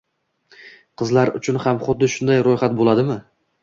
qizlar uchun ham xuddi shunday ro‘yxat bo‘ladimi?